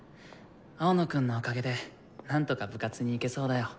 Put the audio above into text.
青野くんのおかげでなんとか部活に行けそうだよ。